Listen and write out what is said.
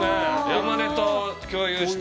山根と共有して。